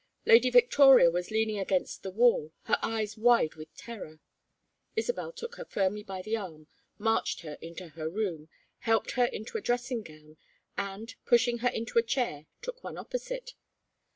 Lady Victoria was leaning against the wall, her eyes wide with terror. Isabel took her firmly by the arm, marched her into her room, helped her into a dressing gown, and, pushing her into a chair, took one opposite.